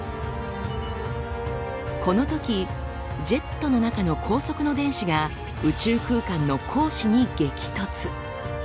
このときジェットの中の高速の電子が宇宙空間の光子に激突。